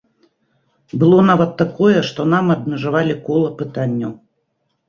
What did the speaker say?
Было нават такое, што нам абмежавалі кола пытанняў.